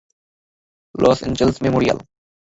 Loss Angeles Memorial.